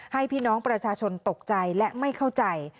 พี่น้องประชาชนตกใจและไม่เข้าใจ